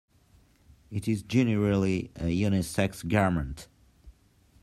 It is generally a unisex garment.